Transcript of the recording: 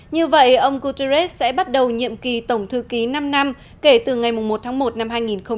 như vậy ông guterres sẽ bắt đầu nhiệm ký tổng thư ký năm năm kể từ ngày một tháng một năm hai nghìn một mươi bảy